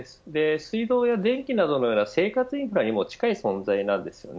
水道や電気などのような生活インフラにも近い存在です。